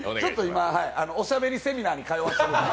今、おしゃべりセミナーに通わせてるので。